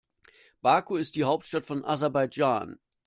Baku ist die Hauptstadt von Aserbaidschan.